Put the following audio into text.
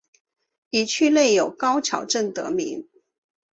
以区内有高桥镇得名。